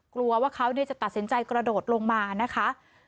กลัวว่าเขาจะตัดสินใจกระโดดลงมานะคะ